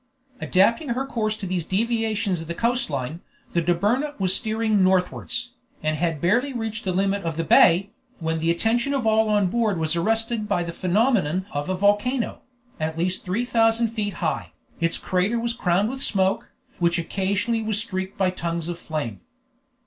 Adapting her course to these deviations of the coastline, the Dobryna was steering northwards, and had barely reached the limit of the bay, when the attention of all on board was arrested by the phenomenon of a volcano, at least 3,000 feet high, its crater crowned with smoke, which occasionally was streaked by tongues of flame.